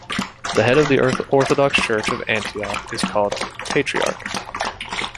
The head of the Orthodox Church of Antioch is called Patriarch.